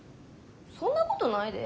そんなことないで。